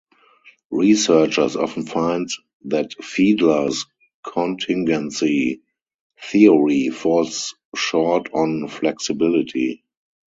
Researchers often find that Fiedler's contingency theory falls short on flexibility.